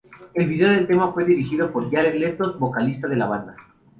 El video del tema fue dirigido por Jared Leto, vocalista de la banda.